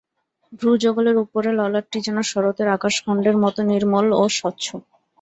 ভ্রূযুগলের উপরে ললাটটি যেন শরতের আকাশখণ্ডের মতো নির্মল ও স্বচ্ছ।